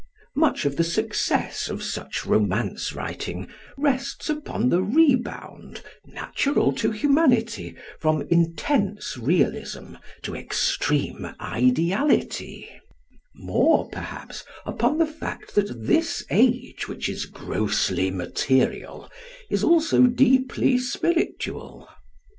Much of the success of such romance writing rests upon the rebound, natural to humanity, from intense realism to extreme ideality; more, perhaps, upon the fact that this age which is grossly material is also deeply spiritual.